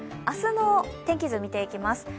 明日の天気図を見ていきます。